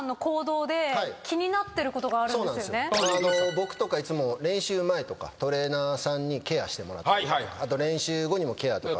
僕とかいつも練習前とかトレーナーさんにケアしてもらったりとかあと練習後にもケアとか。